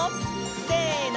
せの！